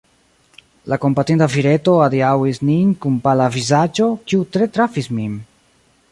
La kompatinda vireto adiaŭis nin kun pala vizaĝo, kiu tre trafis min.